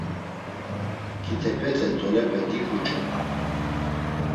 Ǩitepete tolepe diǩurçolu.